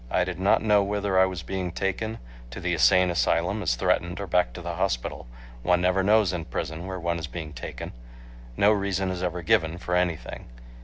I did not know whither I was being taken, to the insane asylum, as threatened, or back to the hospital—one never knows in prison where one is being taken, no reason is ever given for anything.